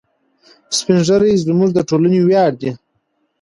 سپین ږیري زموږ د ټولنې ویاړ دي.